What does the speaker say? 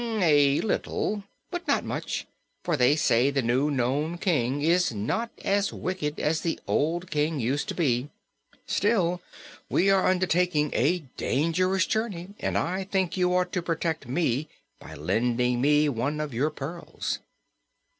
"A little, but not much, for they say the new Nome King is not as wicked as the old King used to be. Still, we are undertaking a dangerous journey and I think you ought to protect me by lending me one of your pearls."